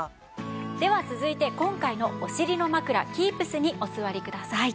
では続いて今回のお尻のまくらＫｅｅｐｓにお座りください。